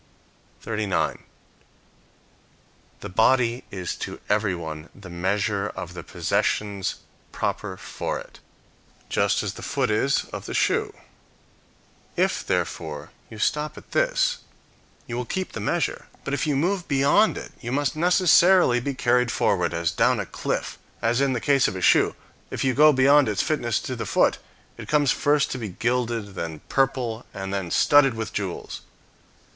39. The body is to everyone the measure of the possessions proper for it, just as the foot is of the shoe. If, therefore, you stop at this, you will keep the measure; but if you move beyond it, you must necessarily be carried forward, as down a cliff; as in the case of a shoe, if you go beyond its fitness to the foot, it comes first to be gilded, then purple, and then studded with jewels.